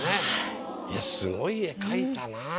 いやスゴい絵描いたなぁ。